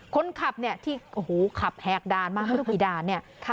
คนขับเนี่ยที่โอ้โหขับแหกด่านมาไม่รู้กี่ด่านเนี่ย